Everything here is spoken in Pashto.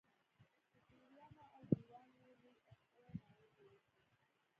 په پېریانو او دیوانو یې لویې او ښکلې ماڼۍ جوړې کړې.